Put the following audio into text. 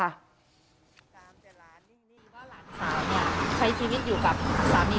หลานสาวเนี่ยใช้ชีวิตอยู่กับคุณโซโก๙๓นาที